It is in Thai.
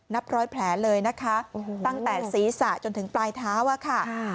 นับร้อยแผลเลยนะคะตั้งแต่ศีรษะจนถึงปลายเท้าอะค่ะ